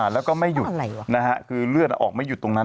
แล้วก็ไม่หยุดคือเลือดออกไม่หยุดตรงนั้น